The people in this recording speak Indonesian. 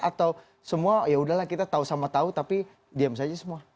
atau semua yaudahlah kita tahu sama tahu tapi diam saja semua